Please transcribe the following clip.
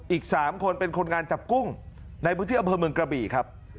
อีก๓คนเป็นคนงานจับกุ้งในพื้นที่อำเภอเมืองกระบี่ครับ